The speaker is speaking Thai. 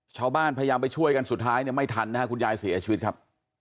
ชาวบ้านพยายามไปช่วยกันสุดท้ายเนี่ยไม่ทันนะครับคุณยายเสียชีวิตครับ